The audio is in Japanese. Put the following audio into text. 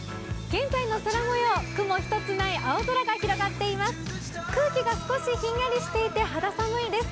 現在の空もよう、雲１つない青空が広がっています。